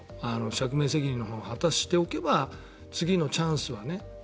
釈明責任のほうを果たしておけば次のチャンスはね。